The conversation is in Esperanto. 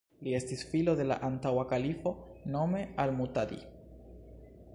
Li estis filo de la antaŭa kalifo, nome al-Mu'tadid.